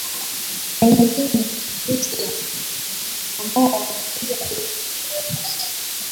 kwenye dini ya kikristo ambao wamekuja ufa